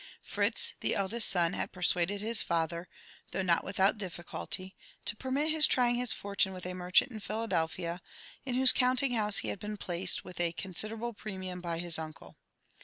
Fritz, the eldest son, had persuaded his father, though not without difficulty, to permit hi9 trying his fortune with a merchant in Phila* delphia, in whose counting hoQse be had been placed with a consi* derable premium by his uncle.